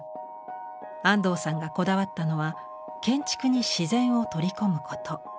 安藤さんがこだわったのは建築に自然を取り込むこと。